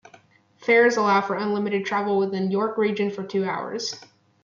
Fares allow for unlimited travel within York region for two hours.